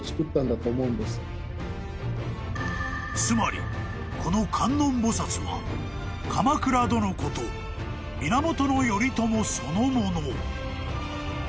［つまりこの観音菩薩は鎌倉殿こと源頼朝そのもの］